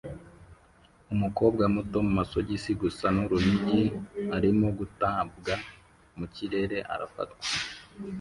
Umukobwa muto mu masogisi gusa n'urunigi arimo gutabwa mu kirere arafatwa